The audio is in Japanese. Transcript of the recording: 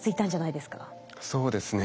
そうですね。